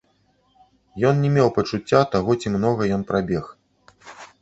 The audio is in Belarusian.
Ён не меў пачуцця таго, ці многа ён прабег.